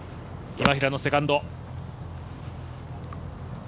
今平のセカンド。